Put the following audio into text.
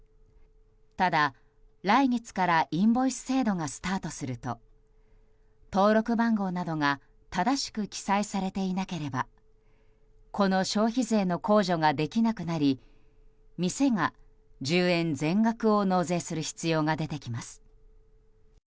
ただ来月からインボイス制度がスタートすると登録番号などが正しく記載されていなければこの消費税の控除ができなくなり店が１０円全額を納税する必要が出てきます。